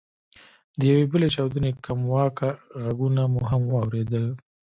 د یوې بلې چاودنې کمواکه ږغونه مو هم واورېدل.